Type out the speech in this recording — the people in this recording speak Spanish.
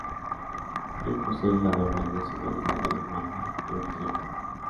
Él posee la doble nacionalidad alemana y austríaca.